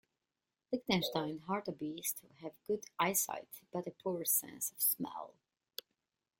Lichtenstein's hartebeest have good eyesight but a poor sense of smell.